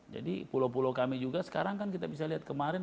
jadi pulau pulau kami juga sekarang kan kita bisa lihat kemarin